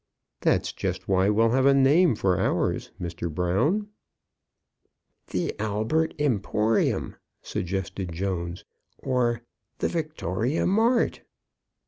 "That's just why we'll have a name for ours, Mr. Brown." "The 'Albert Emporium,'" suggested Jones; "or 'Victoria Mart.'"